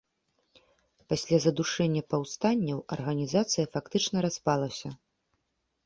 Пасля задушэння паўстанняў арганізацыя фактычна распалася.